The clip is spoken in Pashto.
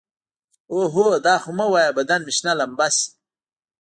اوهو دا خو مه وايه بدن مې شنه لمبه شي.